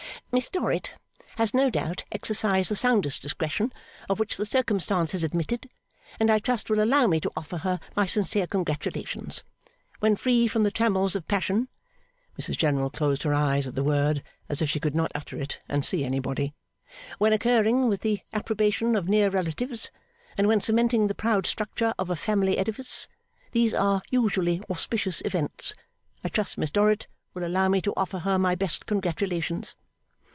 ') 'Miss Dorrit has no doubt exercised the soundest discretion of which the circumstances admitted, and I trust will allow me to offer her my sincere congratulations. When free from the trammels of passion,' Mrs General closed her eyes at the word, as if she could not utter it, and see anybody; 'when occurring with the approbation of near relatives; and when cementing the proud structure of a family edifice; these are usually auspicious events. I trust Miss Dorrit will allow me to offer her my best congratulations.